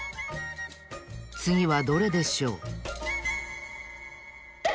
つぎはどれでしょう？